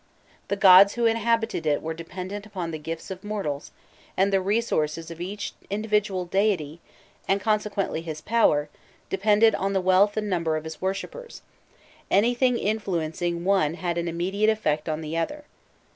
The gods who inhabited it were dependent upon the gifts of mortals, and the resources of each individual deity, and consequently his power, depended on the wealth and number of his worshippers; anything influencing one had an immediate effect on the other.